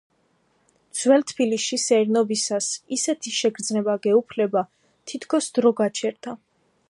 ძველ თბილისში სეირნობისას ისეთი შეგრძნება გეუფლება, თითქოს დრო გაჩერდა.